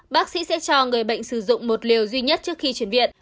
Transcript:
bác sĩ sẽ cho người bệnh sử dụng một liều duy nhất trước khi chuyển viện